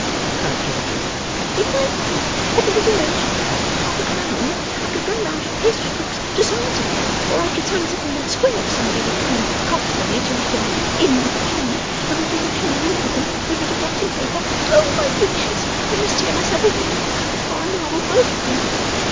cried Georgiana. 'If my maid had a little note and half a crown, I could run round to the pastrycook's to sign something, or I could sign something in the Square if somebody would come and cough for me to let 'em in with the key, and would bring a pen and ink with 'em and a bit of blotting paper. Oh, my gracious! I must tear myself away, or Pa and Ma will both find out!